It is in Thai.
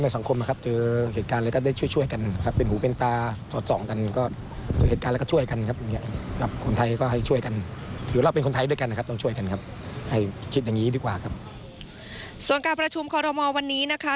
ส่วนการประชุมคอรมอลวันนี้นะคะ